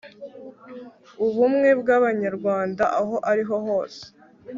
ubumwe bw'abanyarwanda aho ari hose